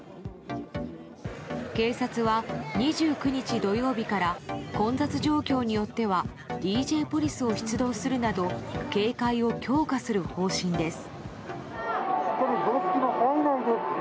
警察は２９日、土曜日から混雑状況によってはＤＪポリスを出動するなど警戒を強化する方針です。